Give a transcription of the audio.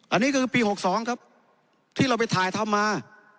อันนี้ก็คือปี๖๒ครับที่เราไปถ่ายทำมา